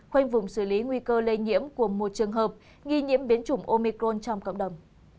khoanh vùng xử lý nguy cơ lây nhiễm của một trường hợp nghi nhiễm biến chủng omicron trong cộng đồng